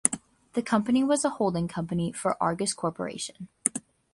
The company was a holding company for Argus Corporation.